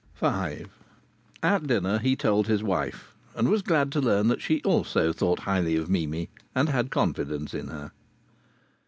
At dinner he told his wife, and was glad to learn that she also thought highly of Mimi and had confidence in her.